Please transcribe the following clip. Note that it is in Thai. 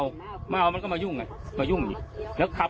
ก็ทำไมก็มายุ่งก็ยุ่งยัง